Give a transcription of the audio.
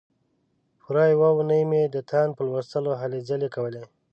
پوره یوه اونۍ مې د تاند په لوستلو هلې ځلې کولې.